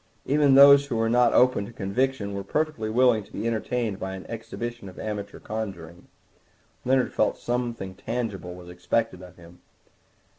Even those who were not open to conviction were perfectly willing to be entertained by an exhibition of amateur conjuring. Leonard felt that something tangible was expected of him.